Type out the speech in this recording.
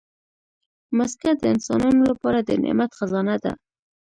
مځکه د انسانانو لپاره د نعمت خزانه ده.